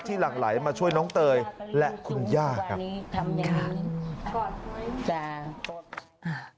ที่หลังไหลมาช่วยน้องเตยและคุณย่าครับขอบคุณครับ